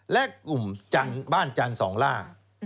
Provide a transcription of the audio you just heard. และกลุ่มบ้านจันทร์สองล่า